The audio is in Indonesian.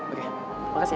oke makasih ya